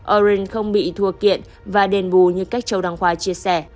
orange không bị thua kiện và đền bù như các châu đăng khoa chia sẻ